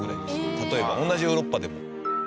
例えば同じヨーロッパでも。